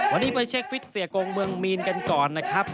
วันนี้ไปเช็คฟิตเสียกงเมืองมีนกันก่อนนะครับ